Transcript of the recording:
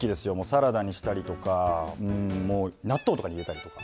サラダにしたりとか納豆とかに入れたりとか。